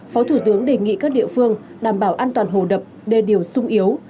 phó thủ tướng đề nghị các địa phương đảm bảo an toàn hồ đập đê điều sung yếu